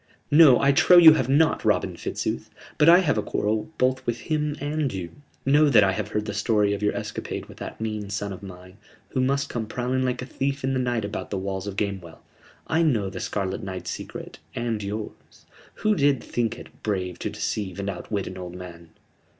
"No, I trow you have not, Robin Fitzooth! But I have a quarrel both with him and you. Know that I have heard the story of your escapade with that mean son of mine, who must come prowling like a thief in the night about the walls of Gamewell. I know the Scarlet Knight's secret, and yours who did think it brave to deceive and outwit an old man."